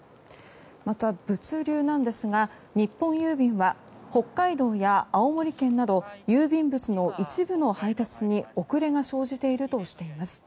また物流ですが日本郵便は北海道や青森県など郵便物の一部の配達に遅れが生じているとしています。